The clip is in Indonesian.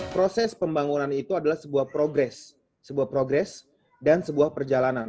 proses pembangunan itu adalah sebuah progres sebuah progres dan sebuah perjalanan